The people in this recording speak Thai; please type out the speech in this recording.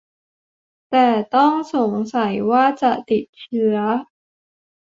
แต่ต้องสงสัยว่าจะติดเชื้อ